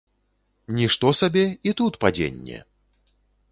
Нішто сабе, і тут падзенне!